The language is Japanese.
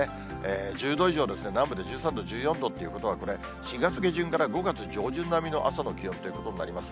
１０度以上ですね、南部で１３度、１４度ということは、これ、４月下旬から５月上旬並みの朝の気温ということになります。